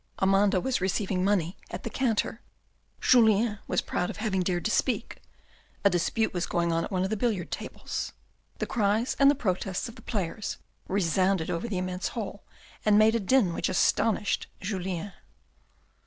Amanda was receiving money at the counter. Julien was A CAPITAL 171 proud of having dared to speak : a dispute was going on at one of the billiard tables. The cries and the protests of the players resounded over the immense hall, and made a din which astonished Julien.